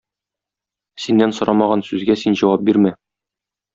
Синнән сорамаган сүзгә син җавап бирмә.